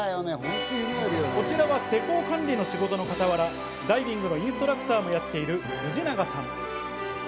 こちらは施工管理の仕事の傍らダイビングのインストラクターをやっている藤永さん。